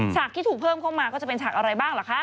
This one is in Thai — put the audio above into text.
ฉากที่ถูกเพิ่มเข้ามาก็จะเป็นฉากอะไรบ้างเหรอคะ